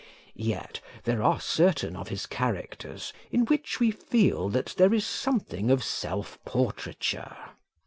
Yet there are certain of his characters in which we feel that there is something of self portraiture.